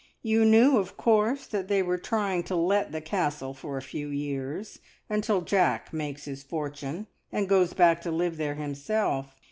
You knew, of course, that they were trying to let the Castle for a few years, until Jack makes his fortune, and goes back to live there himself.